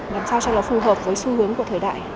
làm sao cho nó phù hợp với xu hướng của thời đại